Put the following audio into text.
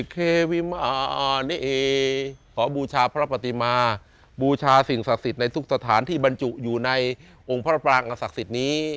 เอขอบูชาพระปฏิมาบูชาสิ่งศักดิ์สิทธิ์ในทุกสถานที่บรรจุอยู่ในองค์พระปรางอศักดิ์สิทธิ์นี้